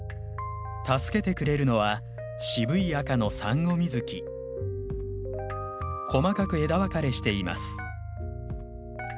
助けてくれるのは渋い赤の細かく枝分かれしています。